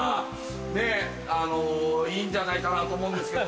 ねぇあのいいんじゃないかなと思うんですけど。